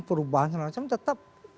perubahan dan lain macam tetap